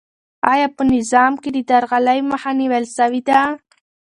آیا په نظام کې د درغلۍ مخه نیول سوې ده؟